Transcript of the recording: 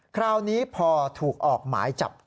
คราวนี้พอถูกออกหมายจับ